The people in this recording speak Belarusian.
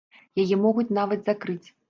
Яе могуць нават закрыць.